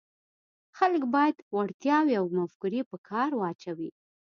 خلک باید وړتیاوې او مفکورې په کار واچوي.